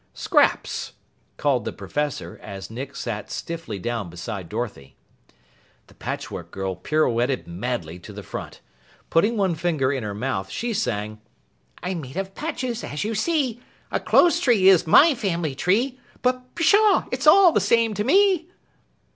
"Scraps!" called the Professor as Nick sat stiffly down beside Dorothy. The Patchwork Girl pirouetted madly to the front. Putting one finger in her mouth, she sang: "I'm made of patches, as you see. A clothes tree is my family tree But, pshaw! It's all the same to me!"